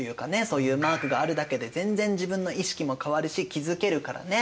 そういうマークがあるだけで全然自分の意識も変わるし気付けるからね。